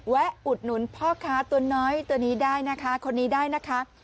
อุดหนุนพ่อค้าตัวน้อยตัวนี้ได้นะคะคนนี้ได้นะคะ